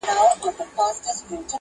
جواب دي راکړ خپل طالع مي ژړوینه.!